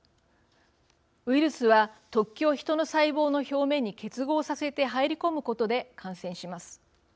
ウイルスは、突起を人の細胞の表面に結合させて入り込むことで、感染します。